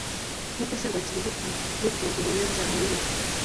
nk uko serwakira ihita ni ko umunyabyaha abura